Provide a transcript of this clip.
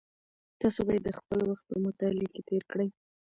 تاسو باید خپل وخت په مطالعه کې تېر کړئ.